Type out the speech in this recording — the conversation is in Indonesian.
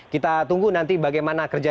kita tunggu nanti bagaimana kerja